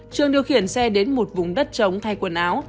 trường điều khiển xe đến một vùng đất trống thay quần áo